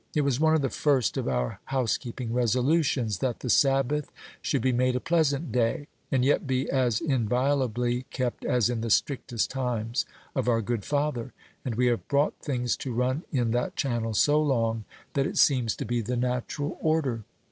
It was one of the first of our housekeeping resolutions, that the Sabbath should be made a pleasant day, and yet be as inviolably kept as in the strictest times of our good father; and we have brought things to run in that channel so long, that it seems to be the natural order."